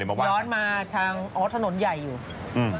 ย้อนมาทางอ๋อถนนใหญ่อยู่